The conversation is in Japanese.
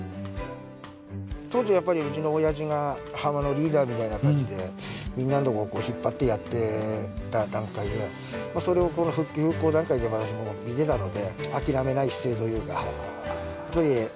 当時やっぱりうちの親父が浜のリーダーみたいな感じでみんなのこと引っ張ってやってた段階でそれを復旧復興段階で私も見てたので。